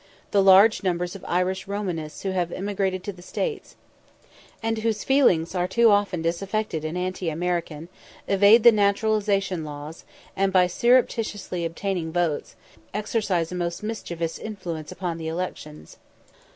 The large numbers of Irish Romanists who have emigrated to the States, and whose feelings are too often disaffected and anti American, evade the naturalisation laws, and, by surreptitiously obtaining votes, exercise a most mischievous influence upon the elections.